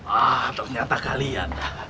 ah ternyata kalian